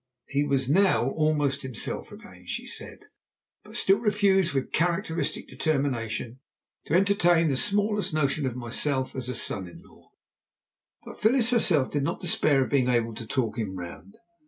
He was now almost himself again, she said, but still refused with characteristic determination to entertain the smallest notion of myself as a son in law. But Phyllis herself did not despair of being able to talk him round.